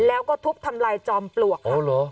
แล้วก็ทุบทำลายจอมปลวกค่ะอ๋อเหรอ